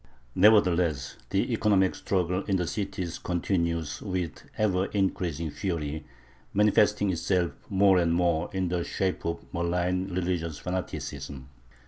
Nevertheless the economic struggle in the cities continues with ever increasing fury, manifesting itself more and more in the shape of malign religious fanaticism.